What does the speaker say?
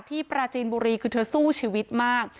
ปราจีนบุรีคือเธอสู้ชีวิตมาก